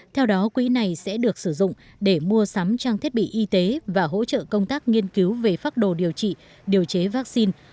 theo đó quỹ này sẽ được sử dụng để mua sắm trang thiết bị y tế và hỗ trợ công tác nghiên cứu về phác đồ điều trị điều chế vaccine